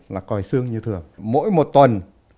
là còi xương như thường mỗi một tuần